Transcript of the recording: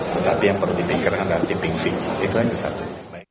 tetapi yang perlu dibikirkan adalah tipping fee itu aja satu